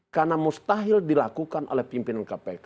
karena mustahil dilakukan oleh pimpinan kpk